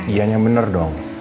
ianya bener dong